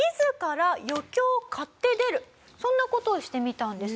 そんな事をしてみたんです。